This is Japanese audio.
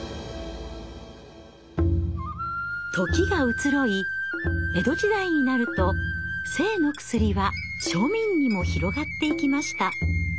時が移ろい江戸時代になると性の薬は庶民にも広がっていきました。